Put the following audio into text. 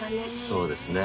そうですね。